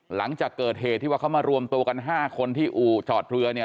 หลังจากเกิดเหตุที่ว่าเขามารวมตัวกัน๕คนที่อู่จอดเรือเนี่ย